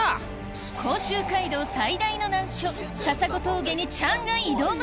甲州街道最大の難所笹子峠にチャンが挑む！